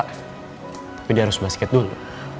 tapi dia harus basket dulu